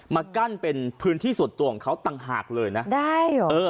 มากั้นเป็นพื้นที่ส่วนตัวของเขาต่างหากเลยนะได้เหรอเออ